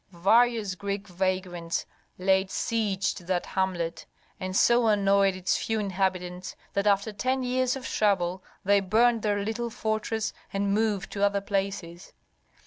Various Greek vagrants laid siege to that hamlet, and so annoyed its few inhabitants that after ten years of trouble they burned their little fortress and moved to other places.